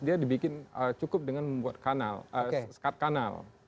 dia dibikin cukup dengan membuat kanal skat kanal